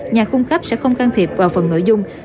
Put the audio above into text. nhà khung khắp sẽ không can thiệp vào phần nội dung